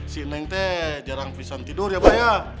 si neng teh jarang bisa tidur ya abah ya